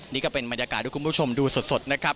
นี่ก็เป็นบรรยากาศที่คุณผู้ชมดูสดนะครับ